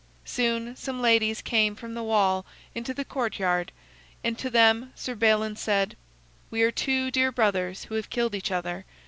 Soon some ladies came from the wall into the courtyard, and to them Sir Balin said: "We are two dear brothers who have killed each other.